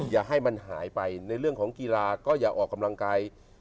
อย่าให้มันหายไปในเรื่องของกีฬาก็อย่าออกกำลังกาย